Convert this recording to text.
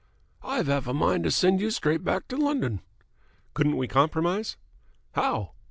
"I've half a mind to send you straight back to London." "Couldn't we compromise?" "How?"